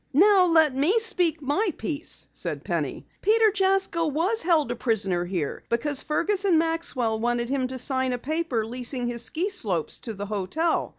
"Now let me speak my piece," said Penny. "Peter Jasko was held a prisoner here because Fergus and Maxwell wanted him to sign a paper leasing his ski slopes to the hotel.